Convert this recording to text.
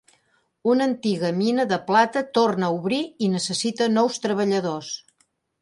Una antiga mina de plata tornar a obrir i necessita nous treballadors.